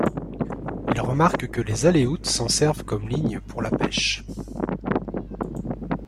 Il remarque que les Aléoutes s'en servent comme ligne pour la pêche.